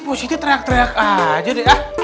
pak ustadz teriak teriak aja deh